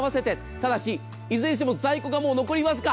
ただし、いずれにしても在庫が残りわずか。